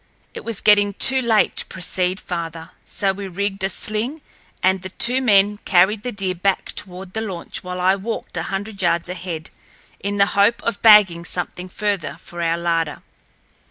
It was getting too late to proceed farther, so we rigged a sling, and the two men carried the deer back toward the launch while I walked a hundred yards ahead, in the hope of bagging something further for our larder.